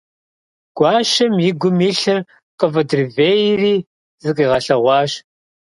Гуащэм и гум илъыр къыфӀыдривейри, зыкъигъэлъэгъуащ.